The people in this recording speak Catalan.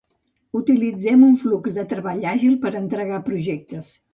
Utilitzem un flux de treball àgil per entregar projectes.